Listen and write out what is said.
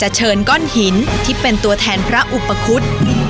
เชิญก้อนหินที่เป็นตัวแทนพระอุปคุฎ